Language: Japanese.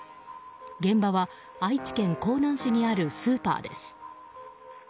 現場は愛知県江南市にあるスーパーです。